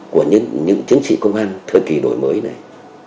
của những chiến sĩ công an thời kỳ đổi mới này